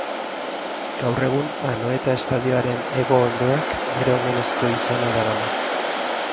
Gaur egun, Anoeta estadioaren Hego Hondoak bere omenezko izena darama.